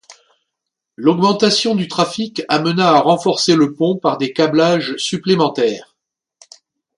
L'augmentation du trafic amena à renforcer le pont par des câblages supplémentaires.